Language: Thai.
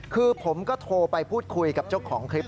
คือผมก็โทรไปพูดคุยกับเจ้าของคลิป